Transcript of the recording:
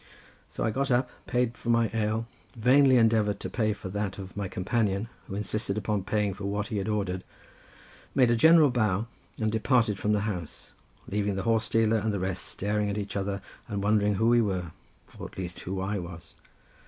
So I got up, paid for my ale, vainly endeavoured to pay for that of my companion, who insisted upon paying for what he had ordered, made a general bow, and departed from the house, leaving the horse dealer and the rest staring at each other and wondering who we were, or at least who I was.